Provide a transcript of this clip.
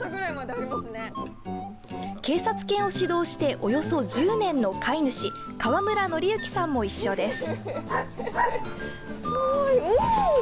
警察犬を指導しておよそ１０年の飼い主河村憲幸さんも一緒です。